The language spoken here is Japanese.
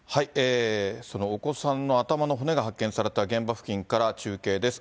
そのお子さんの頭の骨が発見された現場付近から中継です。